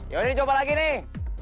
yaudah coba lagi nih